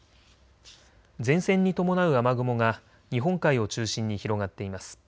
前線に伴う雨雲が日本海を中心に広がっています。